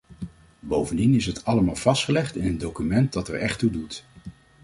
Bovendien is het allemaal vastgelegd in een document dat er echt toe doet.